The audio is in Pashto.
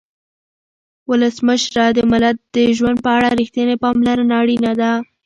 ولسمشره د ملت د ژوند په اړه رښتینې پاملرنه اړینه ده.